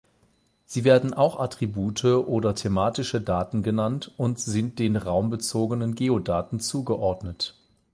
Sie werden auch Attribute oder thematische Daten genannt und sind den raumbezogenen Geodaten zugeordnet.